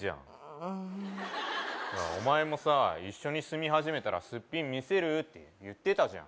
うんほらお前もさ一緒に住み始めたらすっぴん見せるって言ってたじゃん